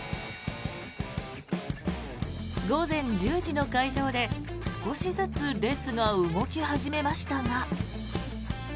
午前１０時の開場で少しずつ列が動き始めましたが。